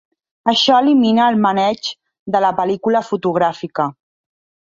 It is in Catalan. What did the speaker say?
Això elimina el maneig de la pel·lícula fotogràfica.